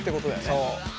そう。